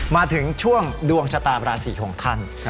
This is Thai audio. มาถึงช่วงดวงชะตาราศีของท่าน